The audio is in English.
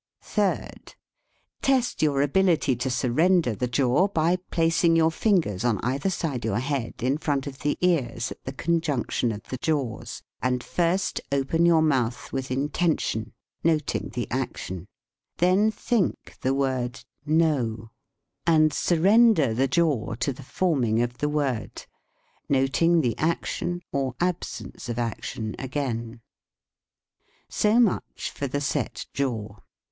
Third. Test your ability to surrender the jaw by placing your fingers on either side your head in front of the ears at the con junction of the jaws, and first open your mouth with intention, noting the action; then think the word "No," and surrender 24 LEARNING TO FREE THE TONE the jaw to the forming of the word, noting the action or absence of action again. So much for the set jaw.